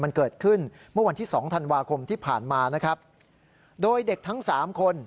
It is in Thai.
มันเกิดขึ้นเมื่อวันที่สองธันวาคมที่ผ่านมานะครับโดยเด็กทั้งสามคน